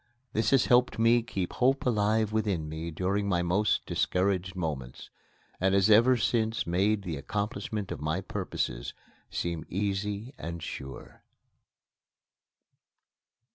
This has helped to keep Hope alive within me during my most discouraged moments, and has ever since made the accomplishment of my purposes seem easy and sure.